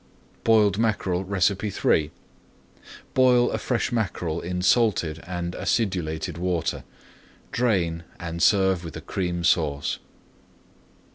BOILED MACKEREL III Boil a fresh mackerel in salted and acidulated water. Drain, and serve with a Cream Sauce.